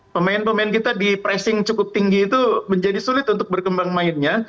pemain pemain kita di pressing cukup tinggi itu menjadi sulit untuk berkembang mainnya